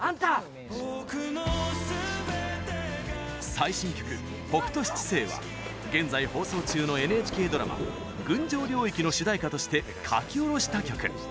最新曲「北斗七星」は現在放送中のＮＨＫドラマ「群青領域」の主題歌として書き下ろした曲。